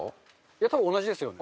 多分同じですよね？